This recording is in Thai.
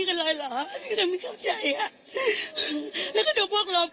เราไม่รู้เหมือนกันว่าเราจะเป็นจะตายแต่เราก็ต้องออกมา